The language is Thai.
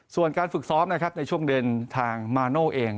ส่วนการฝึกซ้อมนะครับในช่วงเดินทางมาโน่เอง